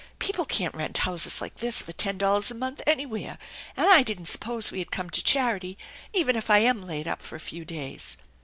People can't rent houses like this for ten dollars a month anywhere, and I didn't suppose we had come to charity, even if I am laid up for a few days."